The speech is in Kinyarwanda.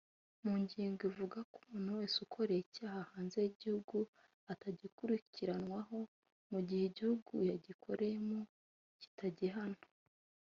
mu ngingo ivuga ko umuntu wese ukoreye icyaha hanze y’igihugu atagikurikiranwaho mu gihe igihugu yagikoreyemo kitagihana